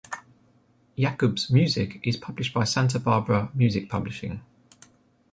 Yakub's music is published by Santa Barbara Music Publishing.